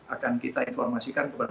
akan kita informasikan kepada